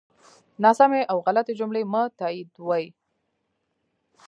ناسمی او غلطی جملی مه تاییدوی